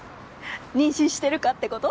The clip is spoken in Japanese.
妊娠してるかってこと？